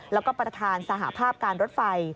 แล้วก็ประธานสหภาพการรถไฟ